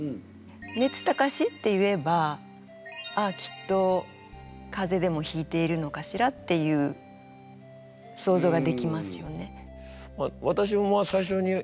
「熱高し」っていえば「ああきっと風邪でもひいているのかしら？」っていう想像ができますよね。